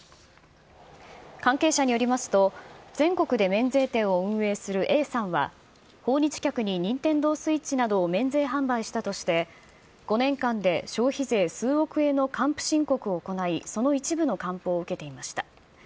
関係者によりますと、全国で免税店を運営する永山は、訪日客にニンテンドースイッチなどを免税販売したとして、５年間で消費税数億円の還付申告を行い、その一部の還付を受けていました。